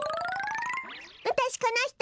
わたしこのひと。